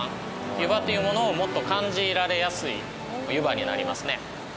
湯葉っていうものをもっと感じられやすい湯葉になりますね。